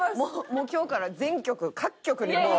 もう今日から全局各局でもう。